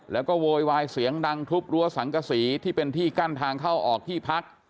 แล้วก็โวยวายเสียงดังทุบรั้วสังกษีที่เป็นที่กั้นทางเข้าออกที่พัก